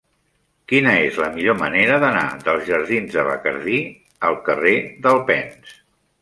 Quina és la millor manera d'anar dels jardins de Bacardí al carrer d'Alpens?